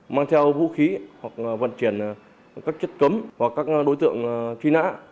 mang theo vũ khí hoặc vận chuyển các chất cấm hoặc các đối tượng truy nã